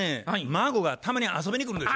孫がたまに遊びに来るんです。